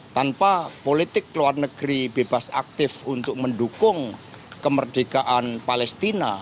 tanpa politik luar negeri bebas aktif untuk mendukung kemerdekaan palestina